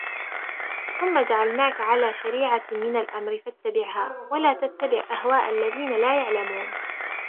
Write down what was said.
ثُمَّ جَعَلْنَاكَ عَلَى شَرِيعَةٍ مِنَ الْأَمْرِ فَاتَّبِعْهَا وَلَا تَتَّبِعْ أَهْوَاءَ الَّذِينَ لَا يَعْلَمُونَ